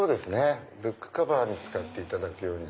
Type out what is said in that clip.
ブックカバーに使っていただくように。